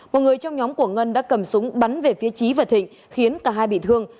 một người trong nhóm của ngân đã cầm súng bắn về phía trí và thịnh khiến cả hai bị thương